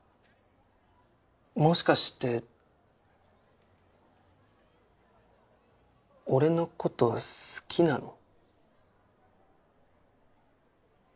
もしかして俺のこと好きなの？